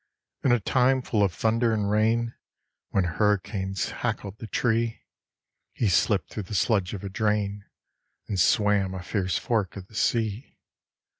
In a time full of thunder and rain, when hurricanes hackled the tree, He slipt through the sludge of a drain, and swam a fierce fork of the sea.